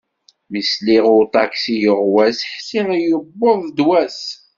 Mi sliɣ i uṭaksi yuɣwas, ḥṣiɣ yewweḍ-d wass.